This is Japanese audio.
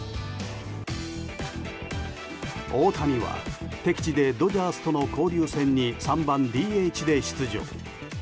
大谷は敵地でドジャースとの交流戦に３番ＤＨで出場。